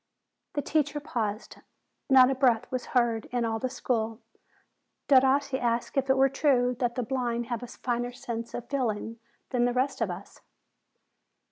The teacher paused. Not a breath was heard in all the school. Derossi asked if it were true that the blind have a finer sense of feeling than the rest of us.